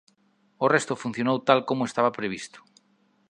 O resto funcionou tal como estaba previsto.